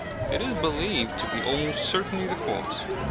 It is believed to be almost certainly the cause.